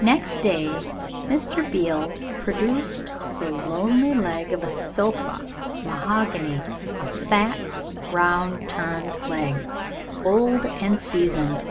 Next day Mr. Beale produced the lonely leg of a sofa mahogany, a fat round turned leg, old and seasoned.